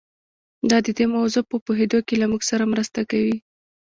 دا د دې موضوع په پوهېدو کې له موږ سره مرسته کوي.